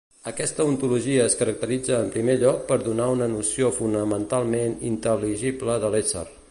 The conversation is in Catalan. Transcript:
Aquesta ontologia es caracteritza en primer lloc per donar una noció fonamentalment intel·ligible de l'ésser.